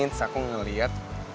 terus aku ngeliat